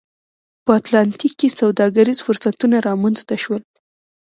په اتلانتیک کې سوداګریز فرصتونه رامنځته شول